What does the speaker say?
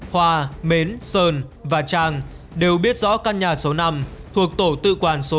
hòa mến sơn và trang đều biết rõ căn nhà số năm thuộc tổ tự quản số một